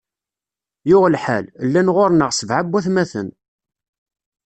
Yuɣ lḥal, llan ɣur-neɣ sebɛa n watmaten.